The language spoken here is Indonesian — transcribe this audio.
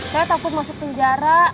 saya takut masuk penjara